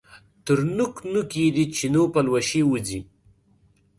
تر نوک، نوک یې د چینو پلوشې وځي